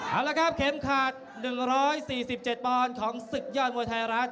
เอาละครับเข็มขาด๑๔๗ปอนด์ของศึกยอดมวยไทยรัฐ